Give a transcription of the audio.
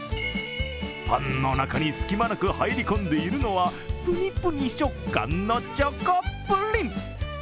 パンの中に隙間なく入り込んでいるのはぷにぷに食感のチョコプリン。